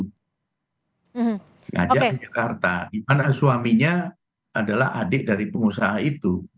mengajak ke jakarta di mana suaminya adalah adik dari pengusaha itu